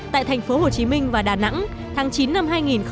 tại thành phố hồ chí minh và đà nẵng tháng chín năm hai nghìn một mươi chín